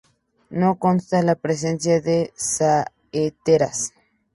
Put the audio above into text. No consta la presencia de saeteras.